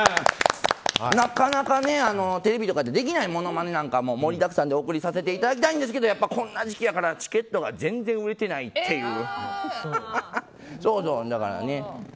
なかなかね、テレビとかでできないものまねなんかも盛りだくさんでお送りさせていただきたいんですけどやっぱりこんな時期やからチケットが全然売れていないっていう。